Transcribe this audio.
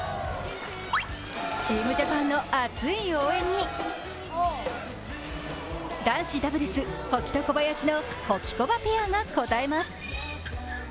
チームジャパンの熱い応援に男子ダブルス、保木と小林のホキコバペアが応えます。